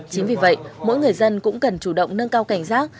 chính vì vậy mỗi người dân cũng cần chủ động nâng cao cảnh giác